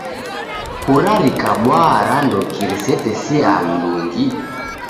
Kura rikabwaa randoki risetesiaa mndungi?